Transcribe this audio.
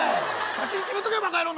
先に決めとけバカ野郎！